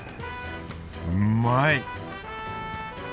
うまい！